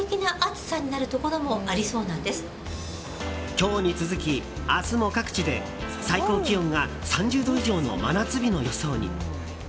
今日に続き、明日も各地で最高気温が３０度以上の真夏日の予想に。